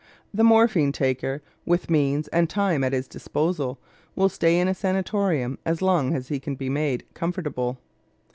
The morphine taker with means and time at his disposal will stay in a sanatorium as long as he can be made comfortable.